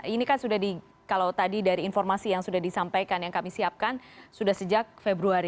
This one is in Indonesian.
ini kan sudah di kalau tadi dari informasi yang sudah disampaikan yang kami siapkan sudah sejak februari